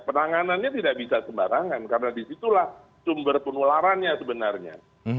penanganannya tidak bisa sembarangan karena disitulah sumber penularannya sebenarnya